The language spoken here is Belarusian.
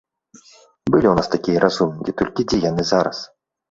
Былі ў нас такія разумнікі, толькі дзе яны зараз?